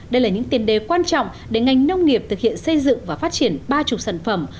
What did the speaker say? đây là những tiền đề quan trọng để ngành nông nghiệp thực hiện xây dựng và phát triển ba mươi sản phẩm